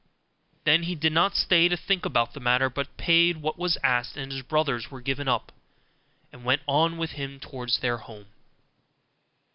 Then he did not stay to think about the matter, but paid what was asked, and his brothers were given up, and went on with him towards their home.